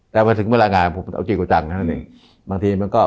แต่ถึงเวลางานผมเอาจริงกว่าจัง